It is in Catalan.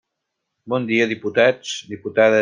Bon dia, diputats, diputades.